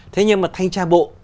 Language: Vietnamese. thế nhưng mà thanh tra bộ